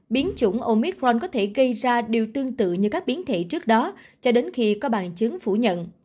biến chủng omicron có thể gây ra điều tương tự như các biến thể trước đó cho đến khi có bằng chứng phủ nhận